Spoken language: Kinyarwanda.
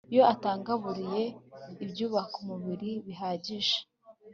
iyo atagaburiwe ibyubaka umubiri bihagije